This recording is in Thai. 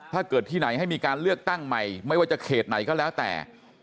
ถ้าเกิดที่ไหนให้มีการเลือกตั้งใหม่ไม่ว่าจะเขตไหนก็แล้วแต่